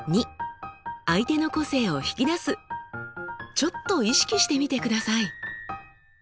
ちょっと意識してみてください！